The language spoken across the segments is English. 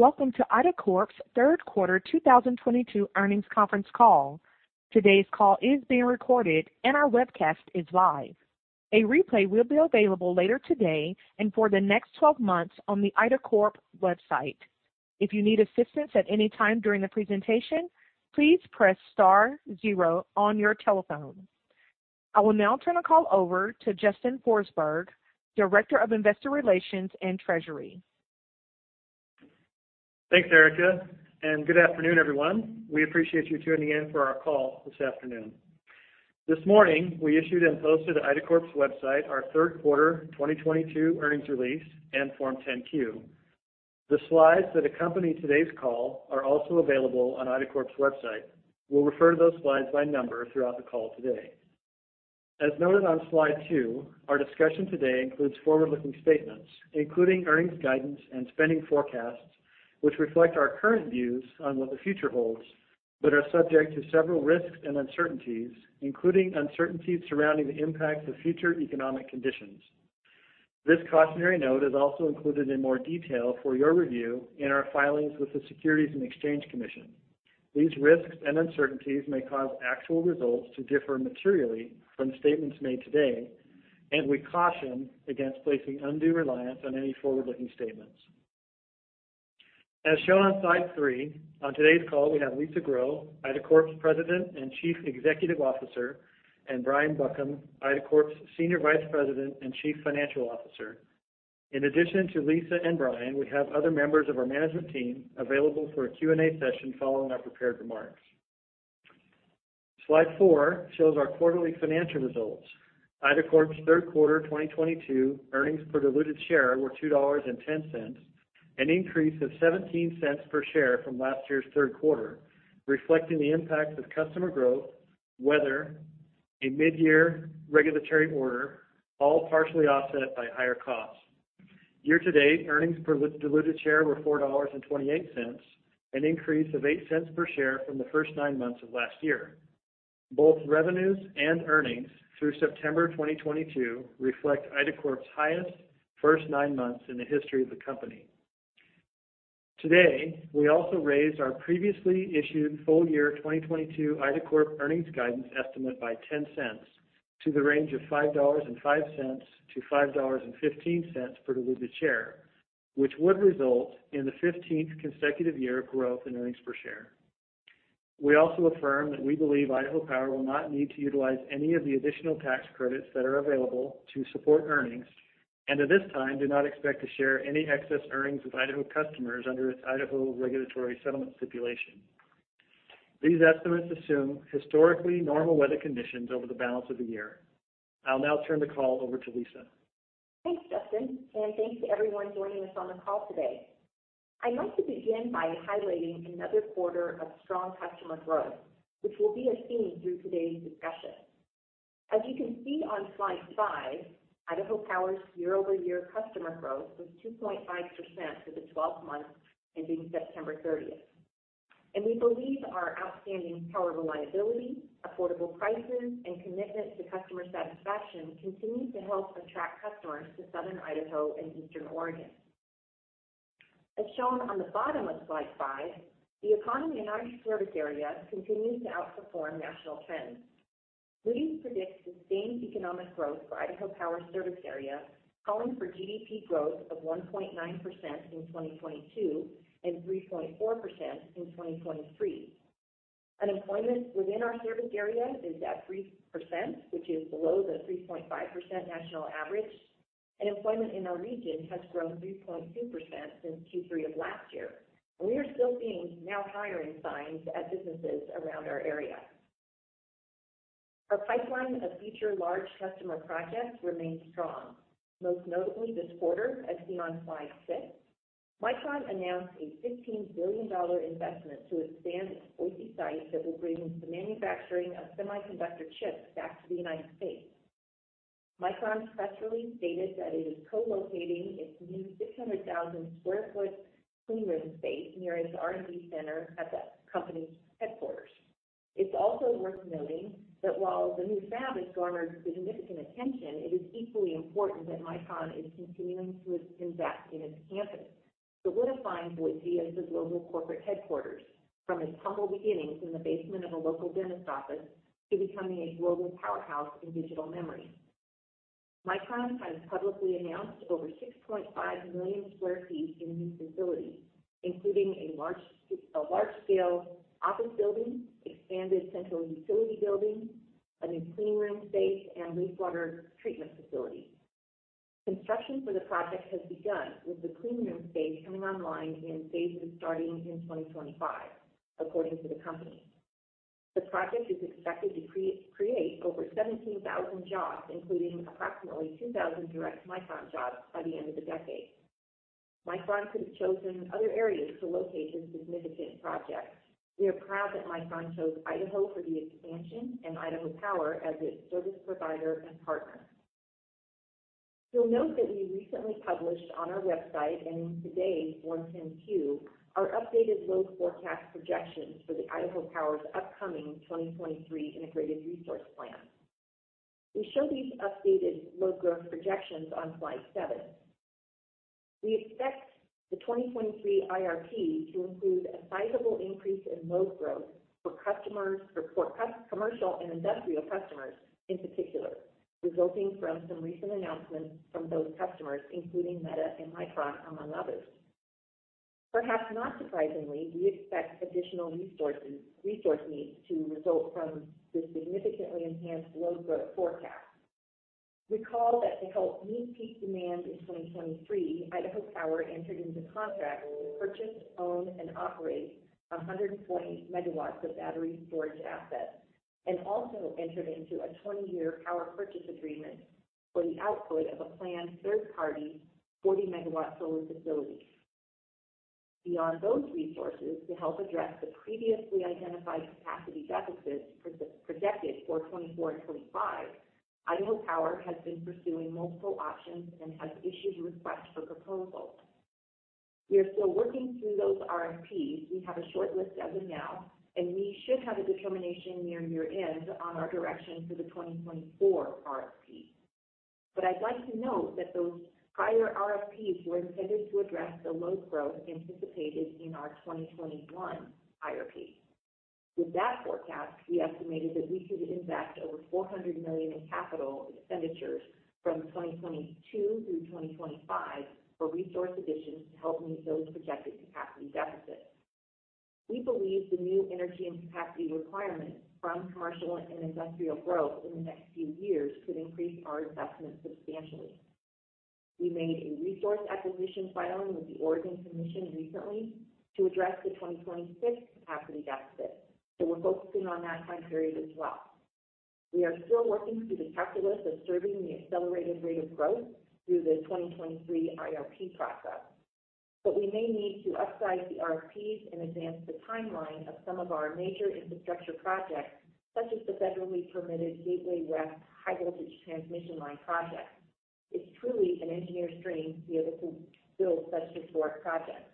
Welcome to IDACORP's third quarter 2022 earnings conference call. Today's call is being recorded and our webcast is live. A replay will be available later today and for the next 12 months on the IDACORP website. If you need assistance at any time during the presentation, please press star zero on your telephone. I will now turn the call over to Justin Forsberg, Director of Investor Relations and Treasury. Thanks, Erica, and good afternoon, everyone. We appreciate you tuning in for our call this afternoon. This morning, we issued and posted on IDACORP's website our third quarter 2022 earnings release and Form 10-Q. The slides that accompany today's call are also available on IDACORP's website. We'll refer to those slides by number throughout the call today. As noted on slide 2, our discussion today includes forward-looking statements, including earnings guidance and spending forecasts, which reflect our current views on what the future holds, but are subject to several risks and uncertainties, including uncertainties surrounding the impacts of future economic conditions. This cautionary note is also included in more detail for your review in our filings with the Securities and Exchange Commission. These risks and uncertainties may cause actual results to differ materially from statements made today, and we caution against placing undue reliance on any forward-looking statements. As shown on slide 3, on today's call, we have Lisa Grow, IDACORP's President and Chief Executive Officer, and Brian Buckham, IDACORP's Senior Vice President and Chief Financial Officer. In addition to Lisa and Brian, we have other members of our management team available for a Q&A session following our prepared remarks. Slide 4 shows our quarterly financial results. IDACORP's third quarter 2022 earnings per diluted share were $2.10, an increase of $0.17 per share from last year's third quarter, reflecting the impacts of customer growth, weather, a mid-year regulatory order, all partially offset by higher costs. Year-to-date, earnings per diluted share were $4.28, an increase of $0.08 per share from the first nine months of last year. Both revenues and earnings through September 2022 reflect IDACORP's highest first nine months in the history of the company. Today, we also raised our previously issued full-year 2022 IDACORP earnings guidance estimate by $0.10 to the range of $5.05-$5.15 per diluted share, which would result in the 15th consecutive year of growth in earnings per share. We also affirm that we believe Idaho Power will not need to utilize any of the additional tax credits that are available to support earnings, and at this time, do not expect to share any excess earnings with Idaho customers under its Idaho regulatory settlement stipulation. These estimates assume historically normal weather conditions over the balance of the year. I'll now turn the call over to Lisa. Thanks, Justin, and thanks to everyone joining us on the call today. I'd like to begin by highlighting another quarter of strong customer growth, which will be a theme through today's discussion. As you can see on slide 5, Idaho Power's year-over-year customer growth was 2.5% for the 12 months ending September 30th. We believe our outstanding power reliability, affordable prices, and commitment to customer satisfaction continue to help attract customers to Southern Idaho and Eastern Oregon. As shown on the bottom of slide 5, the economy in our service area continues to outperform national trends. We predict sustained economic growth for Idaho Power service area, calling for GDP growth of 1.9% in 2022 and 3.4% in 2023. Unemployment within our service area is at 3%, which is below the 3.5% national average. Employment in our region has grown 3.2% since Q3 of last year. We are still seeing now hiring signs at businesses around our area. Our pipeline of future large customer projects remains strong, most notably this quarter, as seen on slide 6. Micron announced a $15 billion investment to expand its Boise site that will bring the manufacturing of semiconductor chips back to the United States. Micron specifically stated that it is co-locating its new 600,000 sq ft clean room space near its R&D center at the company's headquarters. It's also worth noting that while the new fab has garnered significant attention, it is equally important that Micron is continuing to invest in its campus, solidifying Boise as the global corporate headquarters from its humble beginnings in the basement of a local dentist office to becoming a global powerhouse in digital memory. Micron has publicly announced over 6.5 million sq ft in new facilities, including a large scale office building, expanded central utility building, a new clean room space, and wastewater treatment facility. Construction for the project has begun, with the clean room space coming online in phases starting in 2025, according to the company. The project is expected to create over 17,000 jobs, including approximately 2,000 direct Micron jobs by the end of the decade. Micron could have chosen other areas to locate this significant project. We are proud that Micron chose Idaho for the expansion and Idaho Power as its service provider and partner. You'll note that we recently published on our website and in today's 10-Q our updated load forecast projections for Idaho Power's upcoming 2023 integrated resource plan. We show these updated load growth projections on slide 7. We expect the 2023 IRP to include a sizable increase in load growth for customers, for commercial and industrial customers, in particular, resulting from some recent announcements from those customers, including Meta and Micron, among others. Perhaps not surprisingly, we expect additional resource needs to result from the significantly enhanced load growth forecast. Recall that to help meet peak demand in 2023, Idaho Power entered into contracts to purchase, own, and operate 140 MW of battery storage assets and also entered into a 20-year power purchase agreement for the output of a planned third-party 40-MW solar facility. Beyond those resources, to help address the previously identified capacity deficits projected for 2024 and 2025, Idaho Power has been pursuing multiple options and has issued requests for proposals. We are still working through those RFPs. We have a shortlist as of now, and we should have a determination near year-end on our direction for the 2024 RFP. I'd like to note that those prior RFPs were intended to address the load growth anticipated in our 2021 IRP. With that forecast, we estimated that we could invest over $400 million in capital expenditures from 2022 through 2025 for resource additions to help meet those projected capacity deficits. We believe the new energy and capacity requirements from commercial and industrial growth in the next few years could increase our investment substantially. We made a resource acquisition filing with the Oregon Commission recently to address the 2026 capacity deficit, so we're focusing on that time period as well. We are still working through the calculus of serving the accelerated rate of growth through the 2023 IRP process. We may need to upsize the RFPs and advance the timeline of some of our major infrastructure projects, such as the federally permitted Gateway West high-voltage transmission line project. It's truly an engineer's dream to be able to build such historic projects.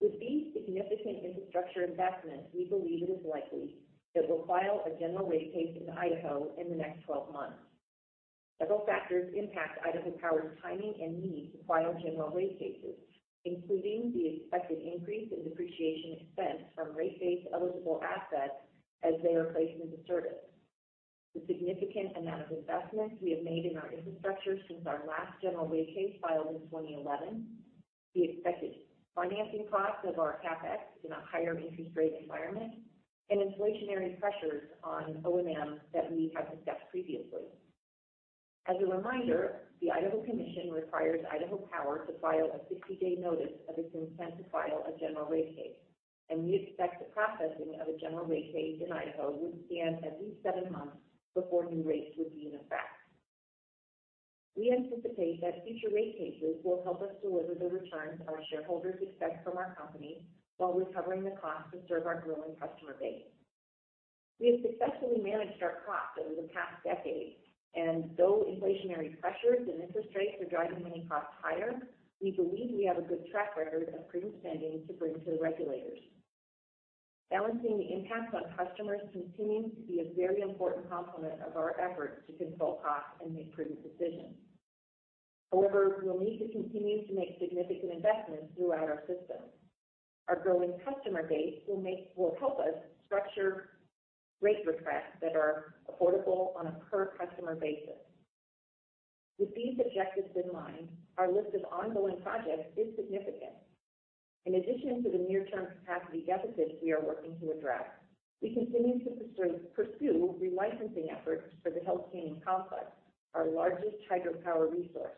With these significant infrastructure investments, we believe it is likely that we'll file a general rate case in Idaho in the next 12 months. Several factors impact Idaho Power's timing and need to file general rate cases, including the expected increase in depreciation expense from rate-based eligible assets as they are placed into service. The significant amount of investments we have made in our infrastructure since our last general rate case filed in 2011, the expected financing costs of our CapEx in a higher interest rate environment, and inflationary pressures on O&M that we have discussed previously. As a reminder, the Idaho Commission requires Idaho Power to file a 60-day notice of its intent to file a general rate case, and we expect the processing of a general rate case in Idaho would span at least seven months before new rates would be in effect. We anticipate that future rate cases will help us deliver the returns our shareholders expect from our company while recovering the cost to serve our growing customer base. We have successfully managed our costs over the past decade, and though inflationary pressures and interest rates are driving many costs higher, we believe we have a good track record of prudent spending to bring to the regulators. Balancing the impact on customers continues to be a very important complement of our efforts to control costs and make prudent decisions. However, we'll need to continue to make significant investments throughout our system. Our growing customer base will help us structure rate requests that are affordable on a per-customer basis. With these objectives in mind, our list of ongoing projects is significant. In addition to the near-term capacity deficits we are working to address, we continue to pursue relicensing efforts for the Hells Canyon Complex, our largest hydropower resource.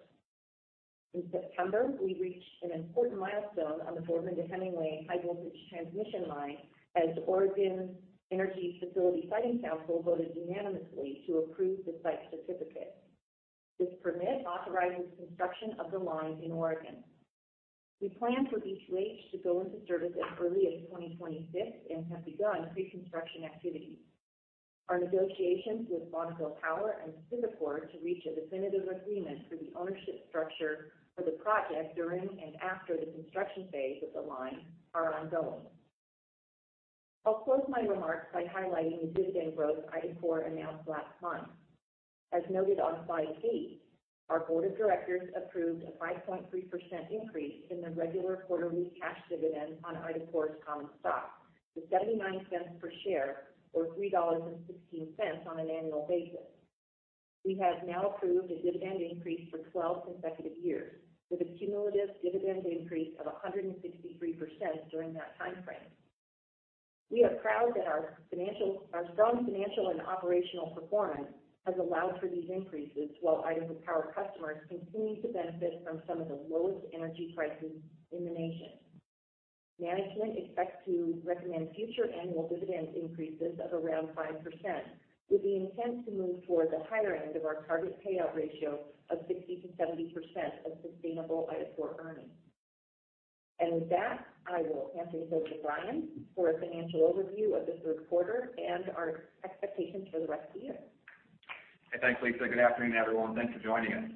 In September, we reached an important milestone on the Boardman to Hemingway high-voltage transmission line as Oregon Energy Facility Siting Council voted unanimously to approve the site certificate. This permit authorizes construction of the line in Oregon. We plan for B2H to go into service as early as 2026 and have begun preconstruction activities. Our negotiations with Bonneville Power and PacifiCorp to reach a definitive agreement for the ownership structure for the project during and after the construction phase of the line are ongoing. I'll close my remarks by highlighting the dividend growth IDACORP announced last month. As noted on slide eight, our board of directors approved a 5.3% increase in the regular quarterly cash dividend on IDACORP's common stock to $0.79 per share or $3.16 on an annual basis. We have now approved a dividend increase for 12 consecutive years, with a cumulative dividend increase of 163% during that timeframe. We are proud that our strong financial and operational performance has allowed for these increases while Idaho Power customers continue to benefit from some of the lowest energy prices in the nation. Management expects to recommend future annual dividend increases of around 5%, with the intent to move toward the higher end of our target payout ratio of 60%-70% of sustainable IDACORP earnings. With that, I will hand things over to Brian for a financial overview of the third quarter and our expectations for the rest of the year. Hey, thanks, Lisa. Good afternoon, everyone, and thanks for joining us.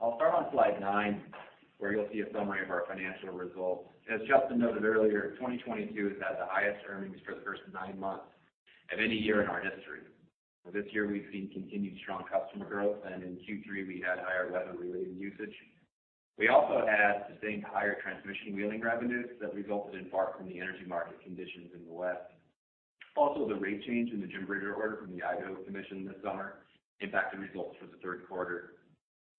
I'll start on slide 9, where you'll see a summary of our financial results. As Justin noted earlier, 2022 has had the highest earnings for the first nine months of any year in our history. This year, we've seen continued strong customer growth, and in Q3, we had higher weather-related usage. We also had sustained higher transmission wheeling revenues that resulted in part from the energy market conditions in the West. Also, the rate change in the Jim Bridger Order from the Idaho Commission this summer impacted results for the third quarter.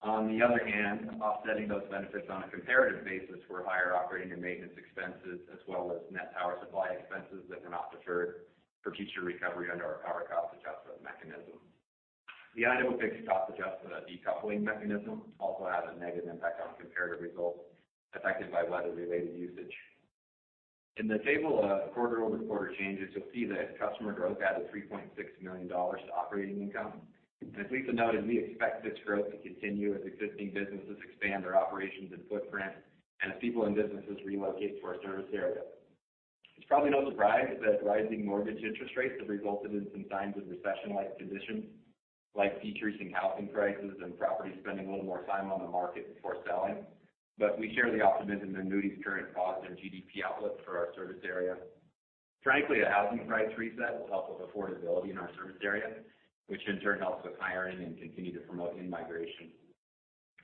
On the other hand, offsetting those benefits on a comparative basis were higher operating and maintenance expenses as well as net power supply expenses that were not deferred for future recovery under our power cost adjustment mechanism. The Idaho Fixed Cost Adjustment decoupling mechanism also has a negative impact on comparative results affected by weather-related usage. In the table of quarter-over-quarter changes, you'll see that customer growth added $3.6 million to operating income. As Lisa noted, we expect this growth to continue as existing businesses expand their operations and footprint and as people and businesses relocate to our service area. It's probably no surprise that rising mortgage interest rates have resulted in some signs of recession-like conditions, like decreasing housing prices and properties spending a little more time on the market before selling. We share the optimism in Moody's current positive GDP outlook for our service area. Frankly, a housing price reset will help with affordability in our service area, which in turn helps with hiring and continue to promote in-migration.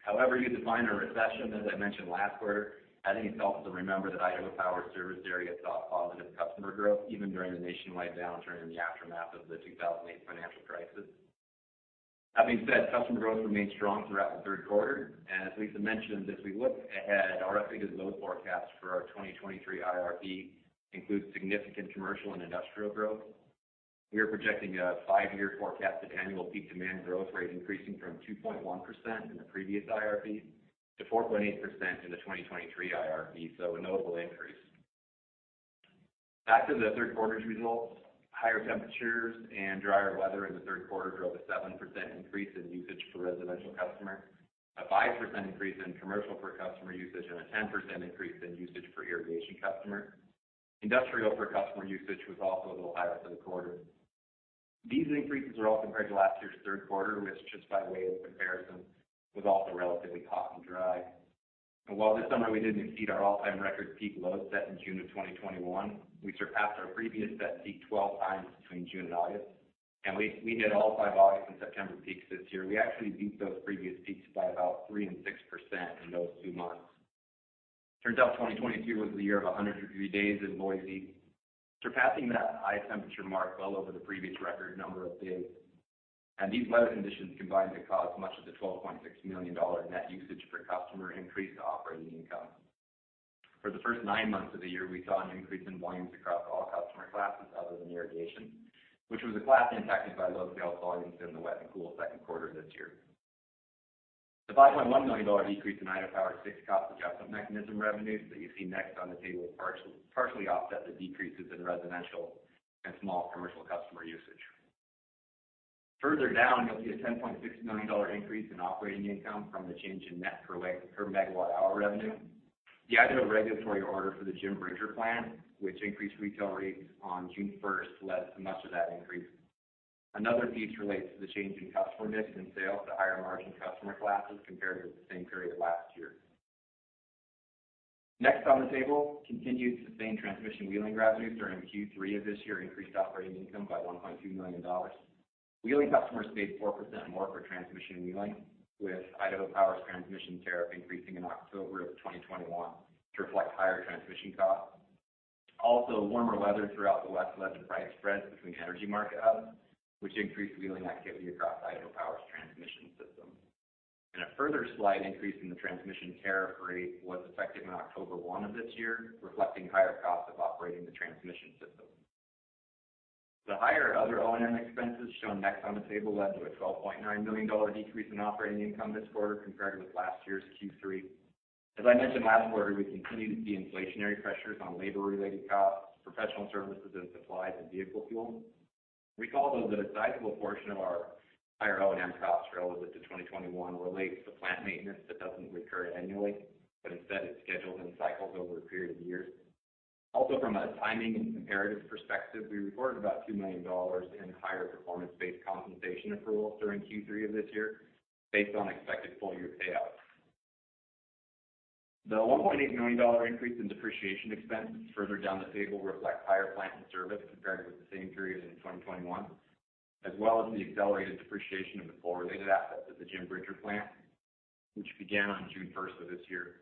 However you define a recession, as I mentioned last quarter, I think it's helpful to remember that Idaho Power service area saw positive customer growth even during the nationwide downturn in the aftermath of the 2008 financial crisis. That being said, customer growth remained strong throughout the third quarter. As Lisa mentioned, as we look ahead, our updated load forecast for our 2023 IRP includes significant commercial and industrial growth. We are projecting a five-year forecast of annual peak demand growth rate increasing from 2.1% in the previous IRP to 4.8% in the 2023 IRP, so a notable increase. Back to the third quarter's results, higher temperatures and drier weather in the third quarter drove a 7% increase in usage per residential customer, a 5% increase in commercial per customer usage, and a 10% increase in usage per irrigation customer. Industrial per customer usage was also a little higher for the quarter. These increases are all compared to last year's third quarter, which just by way of comparison, was also relatively hot and dry. While this summer we didn't exceed our all-time record peak loads set in June of 2021, we surpassed our previous set peak 12x between June and August. We hit all five August and September peaks this year. We actually beat those previous peaks by about 3% and 6% in those two months. Turns out 2022 was the year of 100-degree days in Boise, surpassing that high temperature mark well over the previous record number of days. These weather conditions combined to cause much of the $12.6 million net usage per customer increase to operating income. For the first nine months of the year, we saw an increase in volumes across all customer classes other than irrigation, which was a class impacted by low sales volumes in the wet and cool second quarter this year. The $5.1 million decrease in Idaho Power's fixed cost adjustment mechanism revenues that you see next on the table partially offset the decreases in residential and small commercial customer usage. Further down, you'll see a $10.6 million increase in operating income from the change in net per megawatt-hour revenue. The Idaho regulatory order for the Jim Bridger plant, which increased retail rates on June 1st, led to much of that increase. Another piece relates to the change in customer mix and sales to higher-margin customer classes compared with the same period last year. Next on the table, continued sustained transmission wheeling revenues during Q3 of this year increased operating income by $1.2 million. Wheeling customers paid 4% more for transmission wheeling, with Idaho Power's transmission tariff increasing in October of 2021 to reflect higher transmission costs. Also, warmer weather throughout the West led to price spreads between energy market hubs, which increased wheeling activity across Idaho Power's transmission system. A further slight increase in the transmission tariff rate was effective on October 1 of this year, reflecting higher costs of operating the transmission system. The higher other O&M expenses shown next on the table led to a $12.9 million decrease in operating income this quarter compared with last year's Q3. As I mentioned last quarter, we continue to see inflationary pressures on labor-related costs, professional services and supplies, and vehicle fuel. Recall, though, that a sizable portion of our higher O&M costs relevant to 2021 relates to plant maintenance that doesn't recur annually, but instead is scheduled in cycles over a period of years. Also, from a timing and comparative perspective, we recorded about $2 million in higher performance-based compensation accruals during Q3 of this year based on expected full-year payouts. The $1.8 million increase in depreciation expense further down the table reflects higher plant in service compared with the same period in 2021, as well as the accelerated depreciation of the coal-related assets at the Jim Bridger plant, which began on June 1st of this year.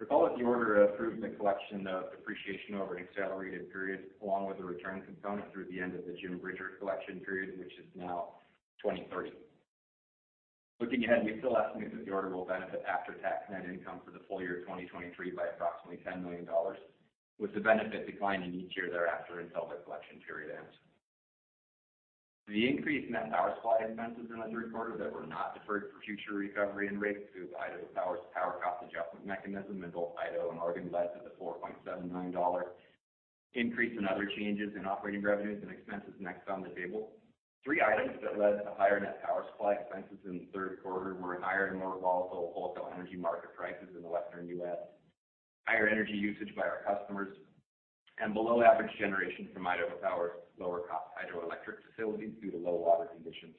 Recall that the order approved the collection of depreciation over an accelerated period, along with a return component through the end of the Jim Bridger collection period, which is now 2030. Looking ahead, we still estimate that the order will benefit after-tax net income for the full-year 2023 by approximately $10 million, with the benefit declining each year thereafter until the collection period ends. The increased net power supply expenses in the third quarter that were not deferred for future recovery in rates through Idaho Power's power cost adjustment mechanism in both Idaho and Oregon led to the $4.7 million increase in other changes in operating revenues and expenses next on the table. Three items that led to higher net power supply expenses in the third quarter were higher and more volatile wholesale energy market prices in the Western U.S., higher energy usage by our customers, and below average generation from Idaho Power's lower cost hydroelectric facilities due to low water conditions.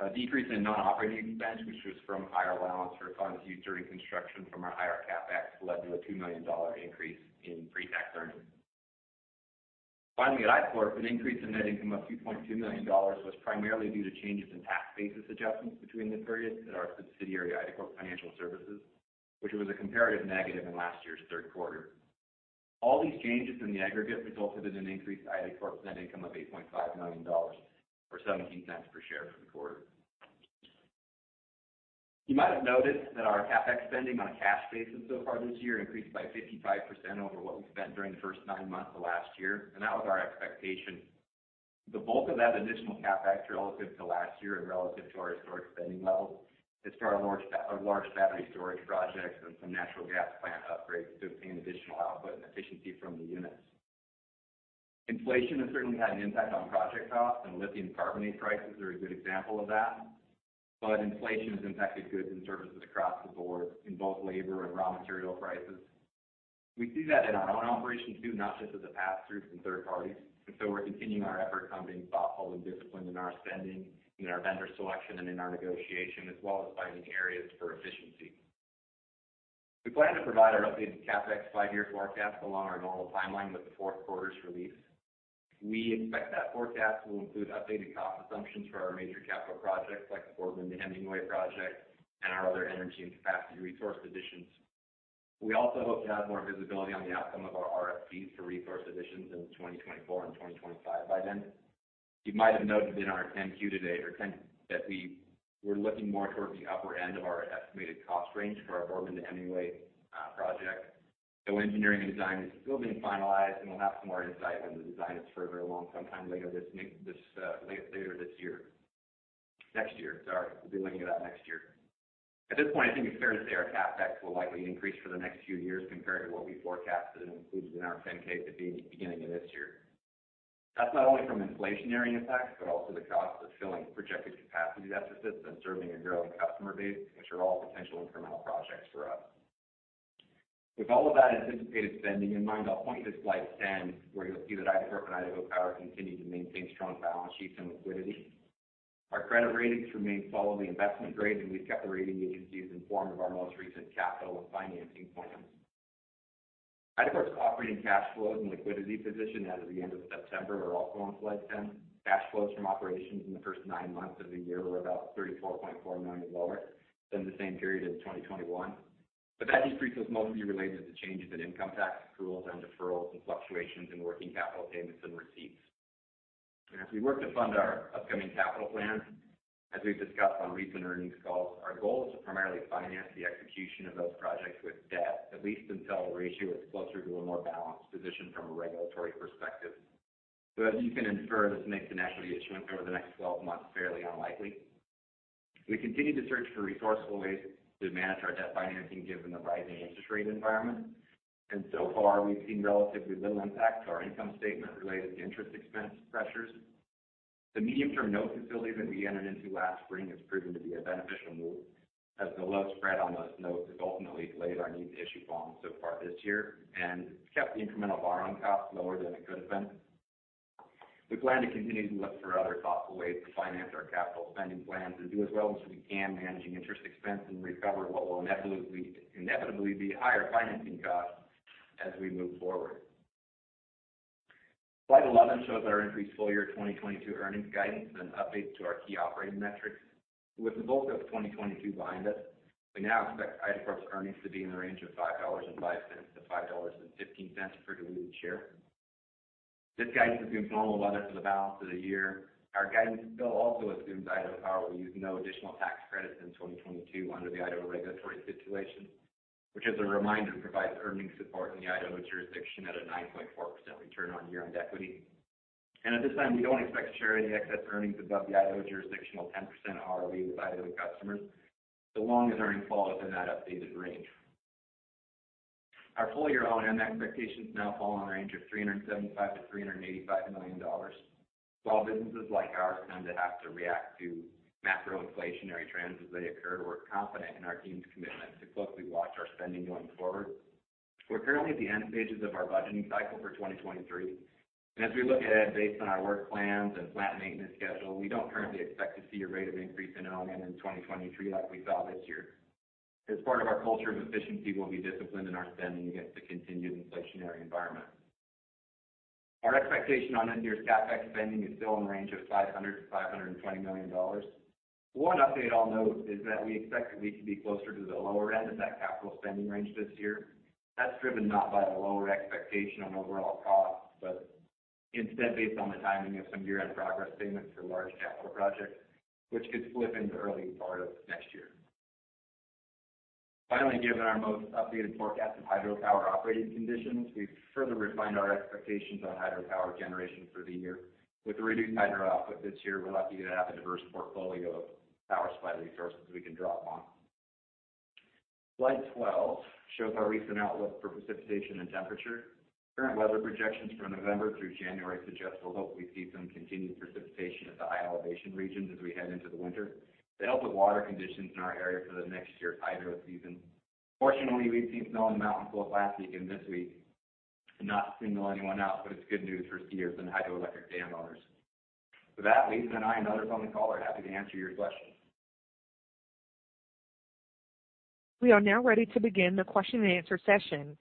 A decrease in non-operating expense, which was from higher allowance for funds used during construction from our higher CapEx, led to a $2 million increase in pre-tax earnings. Finally, at IDACORP, an increase in net income of $2.2 million was primarily due to changes in tax basis adjustments between the periods at our subsidiary, IDACORP Financial Services, which was a comparative negative in last year's third quarter. All these changes in the aggregate resulted in an increased IDACORP net income of $8.5 million or $0.17 per share for the quarter. You might have noticed that our CapEx spending on a cash basis so far this year increased by 55% over what we spent during the first nine months of last year, and that was our expectation. The bulk of that additional CapEx relative to last year and relative to our historic spending levels is for our large battery storage projects and some natural gas plant upgrades to obtain additional output and efficiency from the units. Inflation has certainly had an impact on project costs, and lithium carbonate prices are a good example of that. Inflation has impacted goods and services across the board in both labor and raw material prices. We see that in our own operations too, not just as a pass-through from third parties. We're continuing our effort to remain thoughtful and disciplined in our spending, in our vendor selection, and in our negotiation, as well as finding areas for efficiency. We plan to provide our updated CapEx five-year forecast along our normal timeline with the fourth quarter's release. We expect that forecast will include updated cost assumptions for our major capital projects like the Boardman to Hemingway project and our other energy and capacity resource additions. We also hope to have more visibility on the outcome of our RFPs for resource additions in 2024 and 2025 by then. You might have noted in our 10-Q today that we're looking more towards the upper end of our estimated cost range for our Boardman to Hemingway project. Engineering and design is still being finalized, and we'll have some more insight when the design is further along sometime later next year. Sorry. We'll be looking at that next year. At this point, I think it's fair to say our CapEx will likely increase for the next few years compared to what we forecasted and included in our 10-K at the beginning of this year. That's not only from inflationary effects, but also the cost of filling projected capacity deficits and serving a growing customer base, which are all potential incremental projects for us. With all of that anticipated spending in mind, I'll point to slide 10, where you'll see that IDACORP and Idaho Power continue to maintain strong balance sheets and liquidity. Our credit ratings remain solidly investment grade, and we've kept the rating agencies informed of our most recent capital and financing plans. IDACORP's operating cash flows and liquidity position as of the end of September are also on slide 10. Cash flows from operations in the first nine months of the year were about $34.4 million lower than the same period in 2021. That decrease was mostly related to changes in income tax accruals and deferrals and fluctuations in working capital payments and receipts. As we work to fund our upcoming capital plans, as we've discussed on recent earnings calls, our goal is to primarily finance the execution of those projects with debt, at least until our ratio is closer to a more balanced position from a regulatory perspective. As you can infer, this makes an equity issuance over the next 12 months fairly unlikely. We continue to search for resourceful ways to manage our debt financing given the rising interest rate environment. So far, we've seen relatively little impact to our income statement related to interest expense pressures. The medium-term note facility that we entered into last spring has proven to be a beneficial move, as the low spread on this note has ultimately delayed our need to issue bonds so far this year and kept the incremental borrowing costs lower than it could have been. We plan to continue to look for other thoughtful ways to finance our capital spending plans and do as well as we can managing interest expense and recover what will inevitably be higher financing costs as we move forward. Slide 11 shows our increased full-year 2022 earnings guidance and updates to our key operating metrics. With the bulk of 2022 behind us, we now expect IDACORP's earnings to be in the range of $5.05-$5.15 per diluted share. This guidance assumes normal weather for the balance of the year. Our guidance still also assumes Idaho Power will use no additional tax credits in 2022 under the Idaho regulatory situation, which, as a reminder, provides earnings support in the Idaho jurisdiction at a 9.4% return on year-end equity. At this time, we don't expect to share any excess earnings above the Idaho jurisdictional 10% ROE with Idaho customers, so long as earnings fall within that updated range. Our full-year O&M expectations now fall in a range of $375 million-$385 million. While businesses like ours tend to have to react to macro inflationary trends as they occur, we're confident in our team's commitment to closely watch our spending going forward. We're currently at the end stages of our budgeting cycle for 2023, and as we look ahead based on our work plans and plant maintenance schedule, we don't currently expect to see a rate of increase in O&M in 2023 like we saw this year. As part of our culture of efficiency, we'll be disciplined in our spending against the continued inflationary environment. Our expectation on end-of-year CapEx spending is still in range of $500 million-$520 million. One update I'll note is that we expect that we could be closer to the lower end of that capital spending range this year. That's driven not by a lower expectation on overall costs, but instead based on the timing of some year-end progress payments for large capital projects, which could slip into early part of next year. Finally, given our most updated forecast of hydropower operating conditions, we've further refined our expectations on hydropower generation for the year. With the reduced hydro output this year, we're lucky to have a diverse portfolio of power supply resources we can draw upon. Slide 12 shows our recent outlook for precipitation and temperature. Current weather projections from November through January suggest we'll hopefully see some continued precipitation at the high elevation regions as we head into the winter. They help with water conditions in our area for the next year hydro season. Fortunately, we've seen snow on the mountains both last week and this week. Not to single anyone out, but it's good news for skiers and hydroelectric dam owners. With that, Lisa and I, and others on the call are happy to answer your questions. We are now ready to begin the question-and-answer session.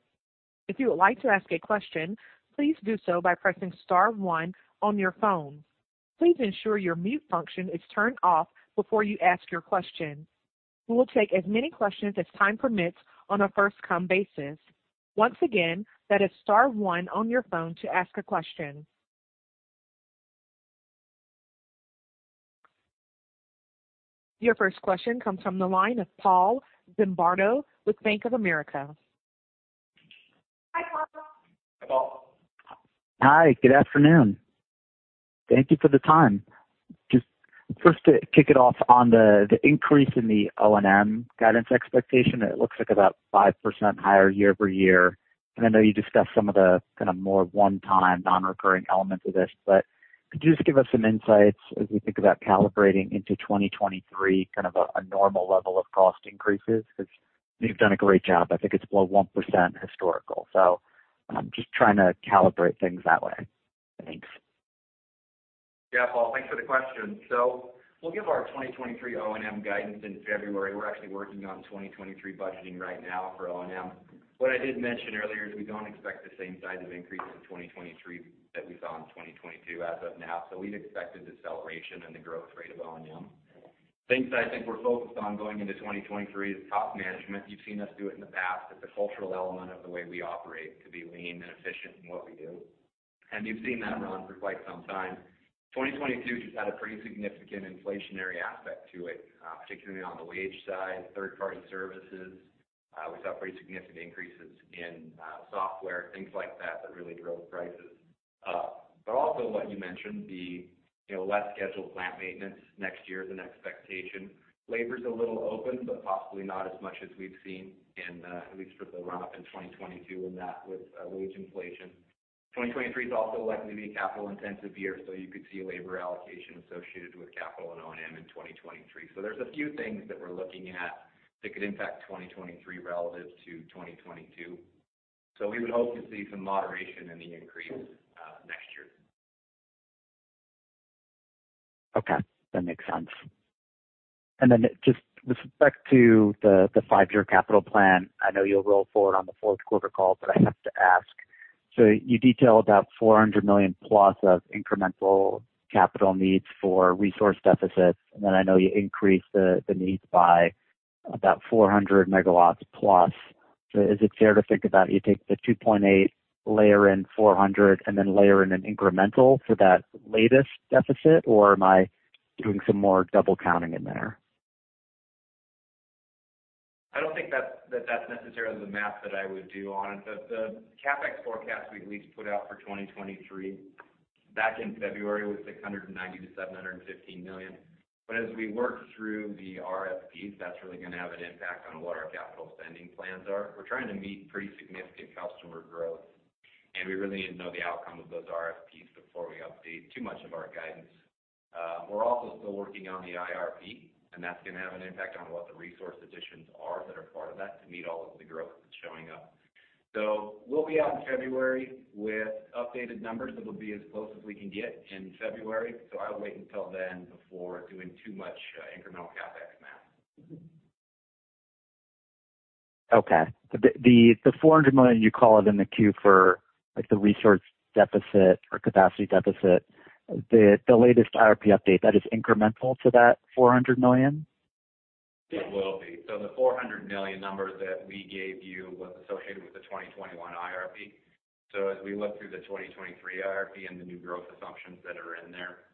If you would like to ask a question, please do so by pressing star one on your phone. Please ensure your mute function is turned off before you ask your question. We will take as many questions as time permits on a first-come basis. Once again, that is star one on your phone to ask a question. Your first question comes from the line of Paul Zimbardo with Bank of America. Hi, Paul. Hi, Paul. Hi. Good afternoon. Thank you for the time. Just first to kick it off on the increase in the O&M guidance expectation, it looks like about 5% higher year-over-year. I know you discussed some of the kinda more one-time non-recurring elements of this, but could you just give us some insights as we think about calibrating into 2023, kind of a normal level of cost increases? Because you've done a great job. I think it's below 1% historical. Just trying to calibrate things that way. Thanks. Yeah. Paul, thanks for the question. We'll give our 2023 O&M guidance in February. We're actually working on 2023 budgeting right now for O&M. What I did mention earlier is we don't expect the same size of increase in 2023 that we saw in 2022 as of now. We'd expected deceleration in the growth rate of O&M. Things I think we're focused on going into 2023 is top management. You've seen us do it in the past. It's a cultural element of the way we operate to be lean and efficient in what we do. You've seen that around for quite some time. 2022 just had a pretty significant inflationary aspect to it, particularly on the wage side, third-party services. We saw pretty significant increases in software, things like that really drove prices up. Also what you mentioned, you know, less scheduled plant maintenance next year is an expectation. Labor is a little open, but possibly not as much as we've seen in at least for the run-up in 2022, and that with wage inflation. 2023 is also likely to be a capital-intensive year, so you could see labor allocation associated with capital and O&M in 2023. There's a few things that we're looking at that could impact 2023 relative to 2022. We would hope to see some moderation in the increase next year. Okay, that makes sense. Just with respect to the five-year capital plan, I know you'll roll forward on the fourth quarter call, but I have to ask. You detailed about $400 million+ of incremental capital needs for resource deficits, and then I know you increased the needs by about 400 MW+. Is it fair to think about you take the 2.8, layer in 400, and then layer in an incremental for that latest deficit? Or am I doing some more double counting in there? I don't think that's necessarily the math that I would do on it. The CapEx forecast we at least put out for 2023 back in February was $690 million-$715 million. As we work through the RFPs, that's really gonna have an impact on what our capital spending plans are. We're trying to meet pretty significant customer growth, and we really need to know the outcome of those RFPs before we update too much of our guidance. We're also still working on the IRP, and that's gonna have an impact on what the resource additions are that are part of that to meet all of the growth that's showing up. We'll be out in February with updated numbers. That'll be as close as we can get in February, so I would wait until then before doing too much, incremental CapEx math. Okay. The $400 million you call it in the 10-Q for like the resource deficit or capacity deficit, the latest IRP update, that is incremental to that $400 million? It will be. The $400 million number that we gave you was associated with the 2021 IRP. As we look through the 2023 IRP and the new growth assumptions that are in there,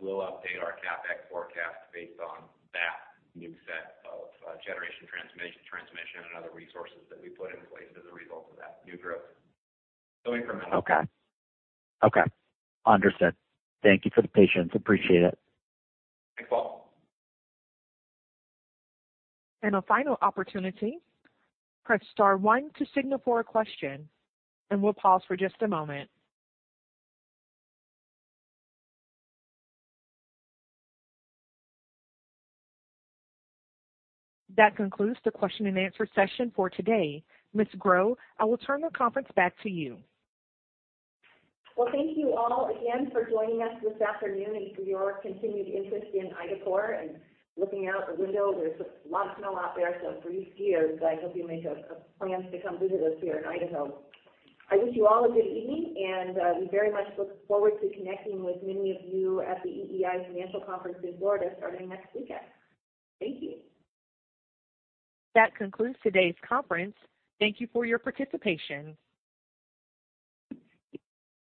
we'll update our CapEx forecast based on that new set of generation transmission and other resources that we put in place as a result of that new growth. Incremental. Okay. Understood. Thank you for the patience. Appreciate it. Thanks, Paul. A final opportunity, press star one to signal for a question, and we'll pause for just a moment. That concludes the question and answer session for today. Ms. Grow, I will turn the conference back to you. Well, thank you all again for joining us this afternoon and for your continued interest in IDACORP. Looking out the window, there's a lot of snow out there, so for you skiers, I hope you make plans to come visit us here in Idaho. I wish you all a good evening, and we very much look forward to connecting with many of you at the EEI Financial Conference in Florida starting next weekend. Thank you. That concludes today's conference. Thank you for your participation.